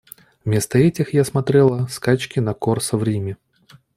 Вместо этих я смотрела скачки на Корсо в Риме.